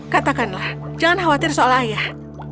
katakanlah jangan khawatir soal ayah